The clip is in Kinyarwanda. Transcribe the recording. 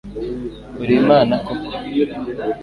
uri imana koko